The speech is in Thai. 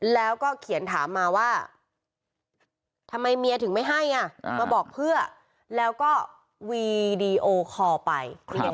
แล้วก็เขียนถามมาว่าทำไมเมียถึงไม่ให้อ่ะมาบอกเพื่อแล้วก็วีดีโอคอลไป